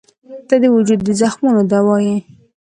• ته د وجود د زخمونو دوا یې.